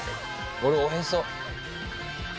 俺おへそ。